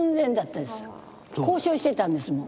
交渉してたんですもん